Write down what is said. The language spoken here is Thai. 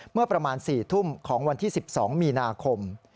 เมื่อประมาณ๔ทุ่มของวันที่๑๒มีนาคม